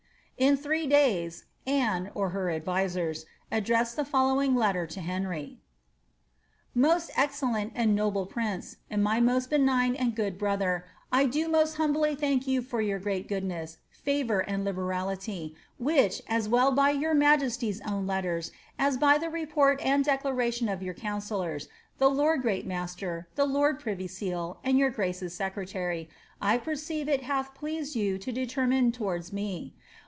'' In three days, Anne, or her advisers, addressed the following letter to Henry :—■ Most excellent and zioUe prince, and my most benign and good brother, I do most humbly thank you for your great goodness, favour, and bberality, which, u well by your migesty's own letters, as by the report and declaration of your councillors, the lord great master, the lord privy seal, and your grace's seoretarjr, I perceive it hath pleased you to determine towards me.